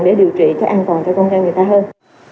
để điều trị cho an toàn cho công nhân người ta hơn